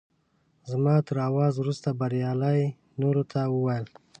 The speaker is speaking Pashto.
زما تر اواز وروسته بریالي نورو ته وویل.